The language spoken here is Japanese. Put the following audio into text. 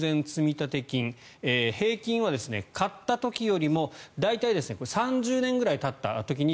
立金平均は買った時よりも大体３０年ぐらいたった時に